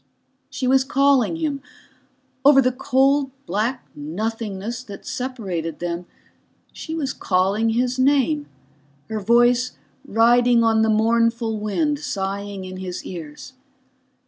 She was calling him. Over the cold black nothingness that separated them she was calling his name, her voice riding on the mournful wind sighing in his ears.